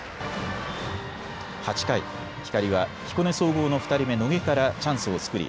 ８回、光は彦根総合の２人目、野下からチャンスを作り